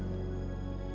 kau mau yuk